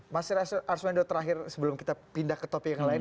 mas arswendo terakhir sebelum kita pindah ke topik yang lain